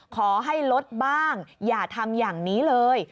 ขอให้ลดบ้างอย่าทำอย่างนี้เลย